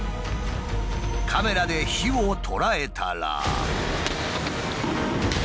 カメラで火を捉えたら。